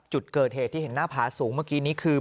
จุดเกิดเหตุที่เห็นหน้าผาสูงเมื่อกี้นี้คือ